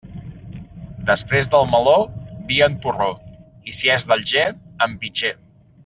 Després del meló, vi en porró, i si és d'Alger, en pitxer.